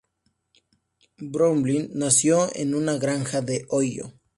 Bromfield nació en una granja de Ohio.